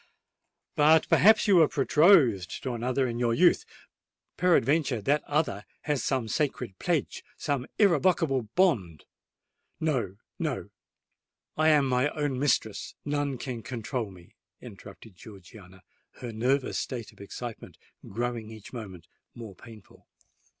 "But perhaps you were betrothed to another in your youth:—peradventure that other has some sacred pledge—some irrevocable bond——" "No—no: I am my own mistress—none can control me!" interrupted Georgiana, her nervous state of excitement growing each moment more painful.